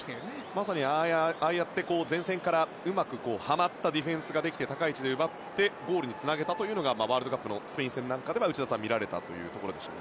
まさにああやって前線からうまくはまったディフェンスができて高い位置で奪ってゴールにつなげたのがワールドカップのスペイン戦では見られたこともありました。